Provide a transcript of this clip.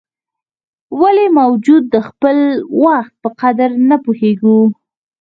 ولي موږ د خپل وخت په قدر نه پوهیږو؟